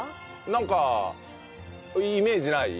なんかイメージない？